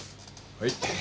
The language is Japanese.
はい。